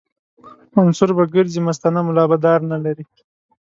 منصور به ګرځي مستانه ملا به دار نه لري